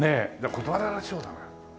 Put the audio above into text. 断られそうだな。